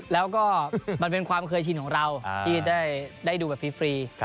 แล้วก็มันเป็นความเคยชินของเราที่ได้ดูแบบฟรี